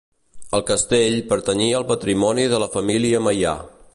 El castell pertanyia al patrimoni de la família Meià.